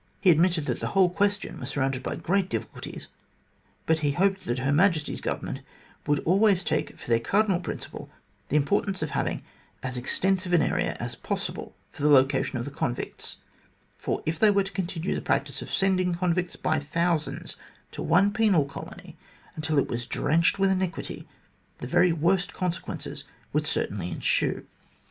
He admitted that the whole question was surrounded by great difficulties, but he hoped that Her Majesty's Government would always take for their cardinal principle the importance of having as extensive an area as possible for the location of the convicts, for if they were to continue the practice of sending convicts by thousands to one penal colony, until it was drenched with iniquity, the very worst consequences would certainly ensue.